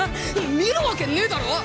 見るわけねえだろ！